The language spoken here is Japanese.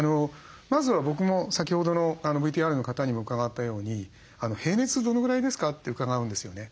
まずは僕も先ほどのＶＴＲの方にも伺ったように「平熱どのぐらいですか？」って伺うんですよね。